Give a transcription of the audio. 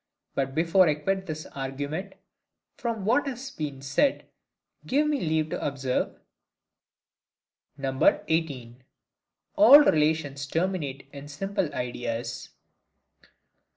But before I quit this argument, from what has been said give me leave to observe: 18. All Relations terminate in simple Ideas.